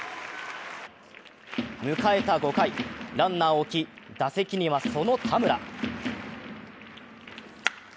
迎えた５回、ランナーを置き、打席にはその田村。